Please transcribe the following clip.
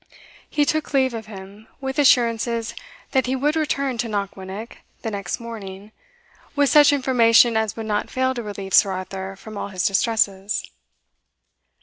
He took leave of him, with assurances that he would return to Knockwinnock the next morning, with such information as would not fail to relieve Sir Arthur from all his distresses.